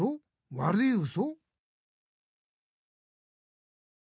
わるいウソ？